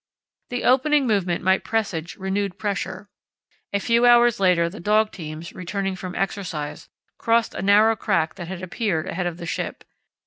The opening movement might presage renewed pressure. A few hours later the dog teams, returning from exercise, crossed a narrow crack that had appeared ahead of the ship.